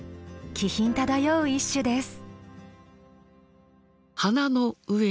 気品漂う一首です。